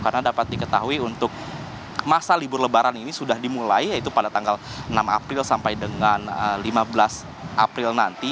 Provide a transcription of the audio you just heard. karena dapat diketahui untuk masa libur lebaran ini sudah dimulai yaitu pada tanggal enam april sampai dengan lima belas april nanti